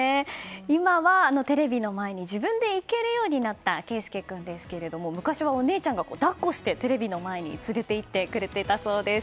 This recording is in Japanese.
今は、テレビの前に自分で行けるようになった恵佑君ですが昔はお姉ちゃんが抱っこしてテレビの前に連れて行ってくれたそうです。